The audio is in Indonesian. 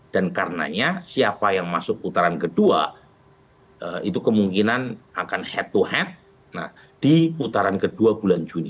dan karenanya siapa yang masuk putaran kedua itu kemungkinan akan head to head di putaran kedua bulan juni